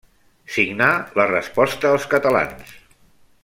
Signà la Resposta als catalans.